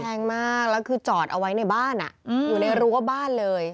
แรงมากแล้วคือจอดเอาไว้ในบ้านอยู่ในรั้วบ้านเลย